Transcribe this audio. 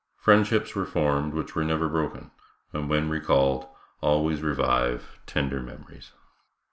Friendships were formed which were never broken, and when recalled always revive tender memories.